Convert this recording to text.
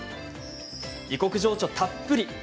異国情緒たっぷり。